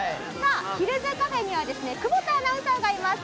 ヒルズカフェには久保田アナウンサーがいます。